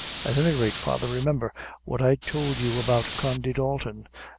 At any rate, father, remember what I tould you about Condy Dalton.